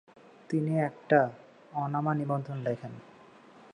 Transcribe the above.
তিনি একটা অনামা নিবন্ধ লেখেন।